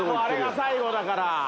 あれが最後だから。